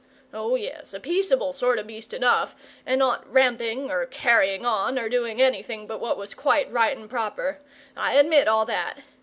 Oh, yes, a peaceable sort o' beast enough, and not ramping or carrying on or doing anything but what was quite right and proper. I admit all that.